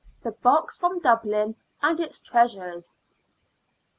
THE BOX FROM DUBLIN AND ITS TREASURES.